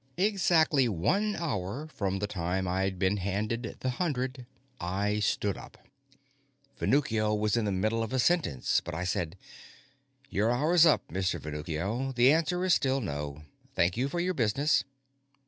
Exactly one hour from the time I'd been handed the hundred, I stood up. Venuccio was in the middle of a sentence, but I said: "Your hour's up, Mr. Venuccio. The answer is still no. Thank you for your business."